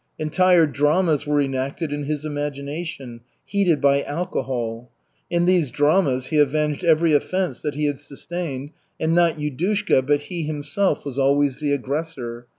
Entire dramas were enacted in his imagination, heated by alcohol. In these dramas he avenged every offense that he had sustained, and not Yudushka but he himself was always the aggressor.